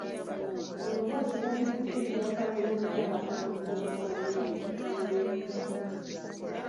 Ono bw’atyo yayingidde mu byafaayo ng’omukyala asoose okubeera Ssaabaminisita okuva ku meefuga